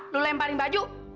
lu lemparin baju